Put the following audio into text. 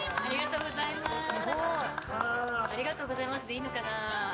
ありがとうございますでいいのかな。